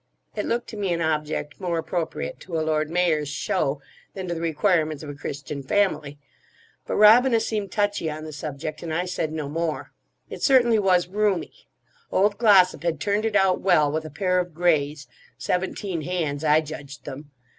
It looked to me an object more appropriate to a Lord Mayor's show than to the requirements of a Christian family; but Robina seemed touchy on the subject, and I said no more. It certainly was roomy. Old Glossop had turned it out well, with a pair of greys—seventeen hands, I judged them.